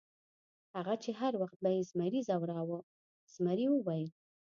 هغه چې هر وخت به یې زمري ځوراوه، زمري وویل.